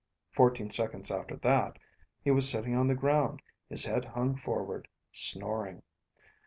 Fourteen seconds after that, he was sitting on the ground, his head hung forward, snoring.